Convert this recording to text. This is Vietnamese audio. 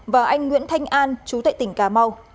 và anh nguyễn thanh an trú tại tỉnh cà mau